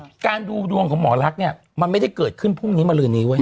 คือการดูดวงของหมอลักษณ์เนี่ยมันไม่ได้เกิดขึ้นพรุ่งนี้มาลืนนี้เว้ย